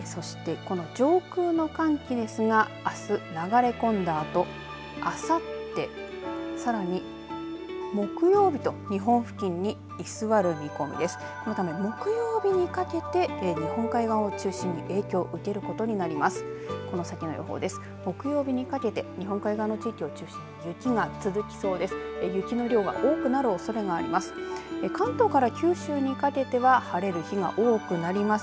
このため木曜日にかけて日本海側を中心に影響を受けることになります。